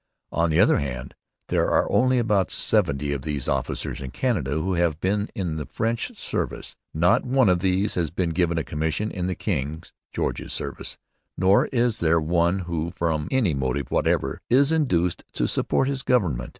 'On the other hand, there are only about seventy of these officers in Canada who have been in the French service. Not one of them has been given a commission in the King's [George's] Service, nor is there One who, from any motive whatever, is induced to support His Government.'